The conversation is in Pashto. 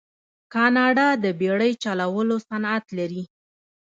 کاناډا د بیړۍ چلولو صنعت لري.